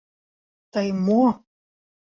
— Тый мо?